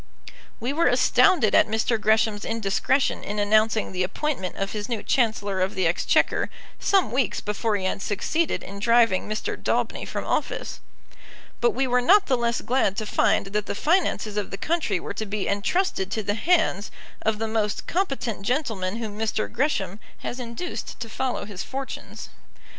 We were astounded at Mr. Gresham's indiscretion in announcing the appointment of his new Chancellor of the Exchequer some weeks before he had succeeded in driving Mr. Daubeny from office; but we were not the less glad to find that the finances of the country were to be entrusted to the hands of the most competent gentleman whom Mr. Gresham has induced to follow his fortunes.